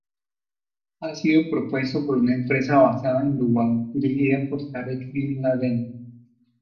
Ha sido propuesto por una empresa basada en Dubái dirigida por Tarek bin Laden.